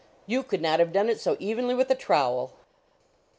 You could not have done it so evenly with a trowel.